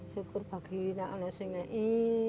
syukur bagi anak anak sungai ini